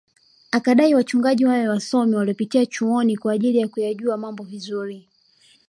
Akadai wachungaji wawe wasomi waliopitia chuoni kwa ajili ya kuyajua mabo vizuri